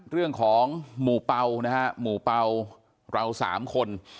เรื่องของหมู่เป่านะฮะหมู่เป่าเราสามคน